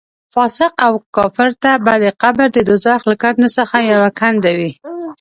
فاسق او کافر ته به قبر د دوزخ له کندو څخه یوه کنده وي.